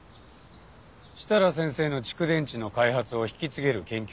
設楽先生の蓄電池の開発を引き継げる研究者を探す。